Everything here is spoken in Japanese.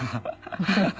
ハハハハ。